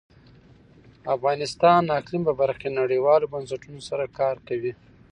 افغانستان د اقلیم په برخه کې نړیوالو بنسټونو سره کار کوي.